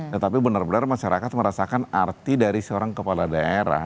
tetapi benar benar masyarakat merasakan arti dari seorang kepala daerah